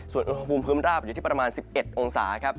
ส่วนอุณหภูมิพื้นราบอยู่ที่ประมาณ๑๑องศาครับ